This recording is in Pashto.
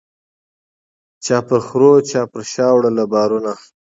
چا پر خرو چا به په شا وړله بارونه